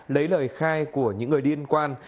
lấy lời khai của những người điên quan